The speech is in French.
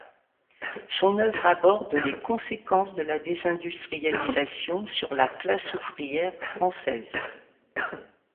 Son œuvre aborde les conséquences de la désindustrialisation sur la classe ouvrière française.